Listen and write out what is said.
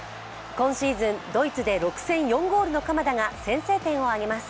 今シーズン、ドイツで６戦４ゴールの鎌田が先制点を挙げます。